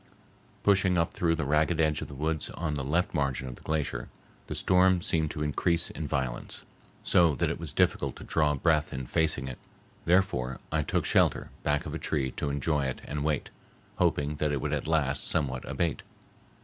Pushing up through the ragged edge of the woods on the left margin of the glacier, the storm seemed to increase in violence, so that it was difficult to draw breath in facing it; therefore I took shelter back of a tree to enjoy it and wait, hoping that it would at last somewhat abate.